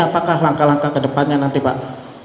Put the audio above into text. apakah langkah langkah ke depannya nanti pak